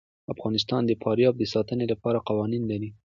افغانستان د فاریاب د ساتنې لپاره قوانین لري.